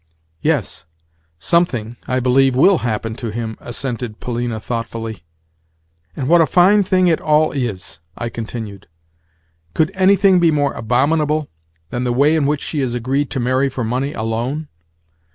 "Yes, something, I believe, will happen to him," assented Polina thoughtfully. "And what a fine thing it all is!" I continued. "Could anything be more abominable than the way in which she has agreed to marry for money alone?